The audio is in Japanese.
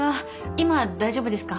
今大丈夫ですか？